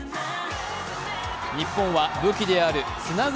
日本は武器であるつなぐ